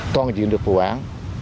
toàn diện được vụ án